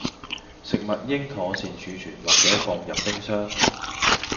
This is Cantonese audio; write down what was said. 食物應妥善儲存或者放入冰箱